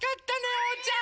おうちゃん！